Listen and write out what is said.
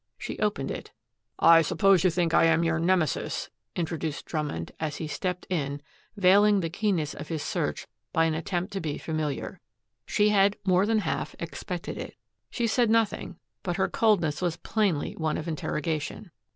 She opened it. "I suppose you think I am your Nemesis," introduced Drummond, as he stepped in, veiling the keenness of his search by an attempt to be familiar. She had more than half expected it. She said nothing, but her coldness was plainly one of interrogation.